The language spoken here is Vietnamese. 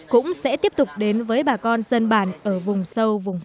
cũng sẽ tiếp tục đến với bà con dân bản ở vùng sâu vùng xa